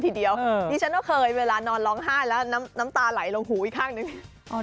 ทีเดียวดิฉันก็เคยเวลานอนร้องไห้แล้วน้ำตาไหลลงหูอีกข้างหนึ่ง